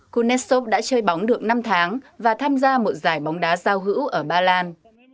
kuneshov đã chơi bóng được năm tháng và tham gia một giải bóng đá giao hữu ở ba lan